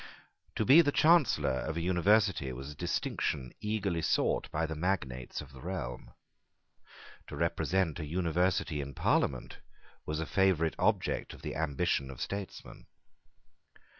To be the Chancellor of an University was a distinction eagerly sought by the magnates of the realm. To represent an University in Parliament was a favourite object of the ambition of statesmen.